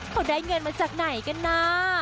เขาได้เงินมาจากไหนกันนะ